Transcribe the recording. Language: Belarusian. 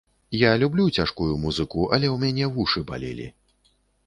Я люблю цяжкую музыку, але ў мяне вушы балелі.